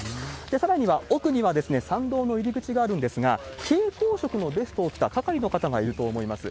さらには、奥には山道の入り口があるんですが、蛍光色のベストを着た係りの方がいると思います。